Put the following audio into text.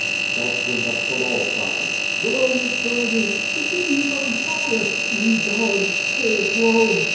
Shouts went up from all sides: "Rome is burning! The city is on fire! Ye gods! save Rome!'